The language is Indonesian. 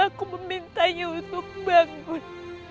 aku memintanya untuk bangun